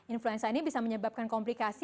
influenza ini bisa menyebabkan komplikasi